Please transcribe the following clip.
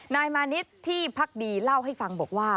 นายมานิดที่พักดีเล่าให้ฟังบอกว่า